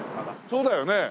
そうだよね？